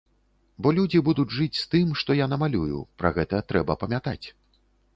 Бо людзі будуць жыць з тым, што я намалюю, пра гэта трэба памятаць.